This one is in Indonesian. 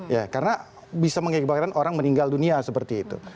ya karena bisa menyebabkan orang meninggal dunia seperti itu